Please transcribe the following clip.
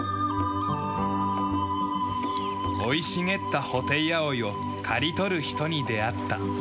生い茂ったホテイアオイを刈り取る人に出会った。